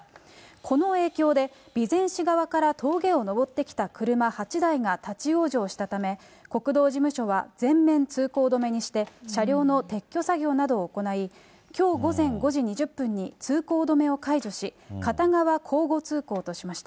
この影響で、備前市側から峠を上ってきた車８台が立往生したため、国道事務所は全面通行止めにして、車両の撤去作業などを行い、きょう午前５時２０分に通行止めを解除し、片側交互通行としました。